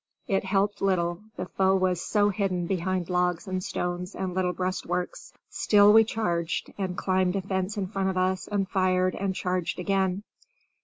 It helped little, the foe was so hidden behind logs and stones and little breastworks. Still we charged, and climbed a fence in front of us and fired and charged again.